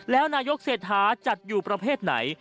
แล้วนายกเศรษฐาจัดอยู่ประเภทไหน